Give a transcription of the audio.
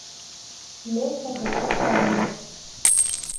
Le Châtelet-sur-Meuse